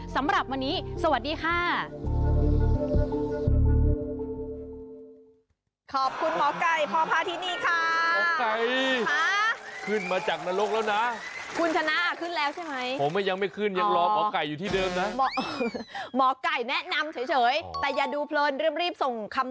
สำหรับวันนี้สวัสดีค่ะ